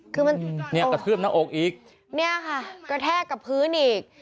คือมันเนี่ยกระทืบหน้าอกอีกเนี่ยค่ะกระแทกกับพื้นอีก